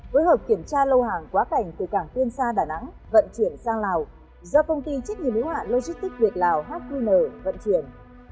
với hợp kiểm tra lâu hàng quá cảnh từ cảng tuyên sa đà nẵng vận chuyển sang lào do công ty chức nhiệm hữu hạng logistics việt lào hqn vận chuyển